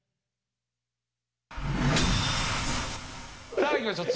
さあいきましょう。